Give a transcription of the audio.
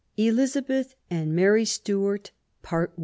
ELIZABETH AND MARY STUART.